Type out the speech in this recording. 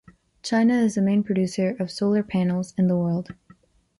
China is the main producer of solar panels in the world.